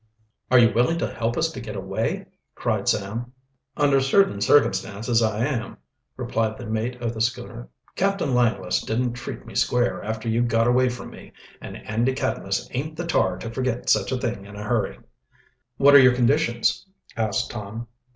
"Are you willing to help us to get away?" cried Sam. "Under certain circumstances I am," replied the mate of the schooner. "Captain Langless didn't treat me square after you got away from me, and Andy Cadmus aint the tar to forget such a thing in a hurry." "What are your conditions?" asked Tom.